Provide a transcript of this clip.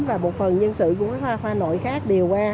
và một phần nhân sự của hoa khoa nội khác đều qua